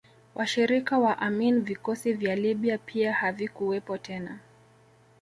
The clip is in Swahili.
Washirika wa Amin vikosi vya Libya pia havikuwepo tena